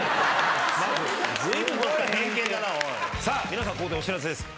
皆さんここでお知らせです。